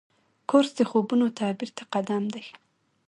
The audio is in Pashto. کورس د خوبونو تعبیر ته قدم دی.